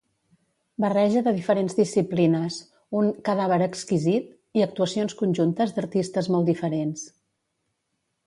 Barreja de diferents disciplines, un “cadàver exquisit” i actuacions conjuntes d'artistes molt diferents.